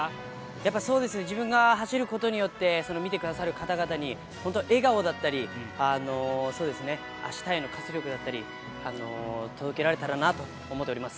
やっぱりそうですね、自分が走ることによって、見てくださる方々に本当、笑顔だったり、そうですね、あしたへの活力だったり、届けられたらなと思っております。